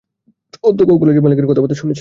অধ্যক্ষ ও কলেজ মালিকের কথাবার্তা শুনেছি।